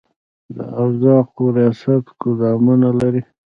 د ارزاقو ریاست ګدامونه لري؟